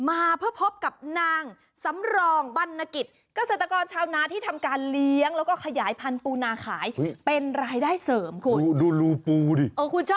มาเพื่อพบกับนางซ้ำรองบรรณกิจ